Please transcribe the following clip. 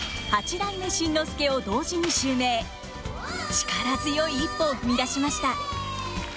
力強い一歩を踏み出しました。